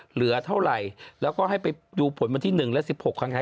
เหลือเท่าไหร่แล้วก็ให้ไปดูผลวันที่๑และ๑๖ครั้ง